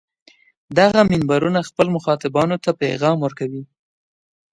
دغه منبرونه خپلو مخاطبانو ته پیغام ورکوي.